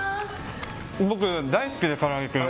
僕、大好きで、からあげクン。